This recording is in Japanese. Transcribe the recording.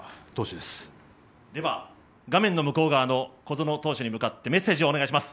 では画面の向こう側の小園投手に向かって、メッセージお願いします。